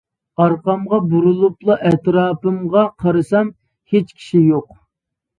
ئارقامغا بۇرۇلۇپلا ئەتراپىمغا قارىسام، ھېچ كىشى يوق.